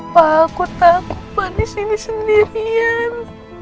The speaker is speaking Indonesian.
bapak aku takut banget di sini sendirian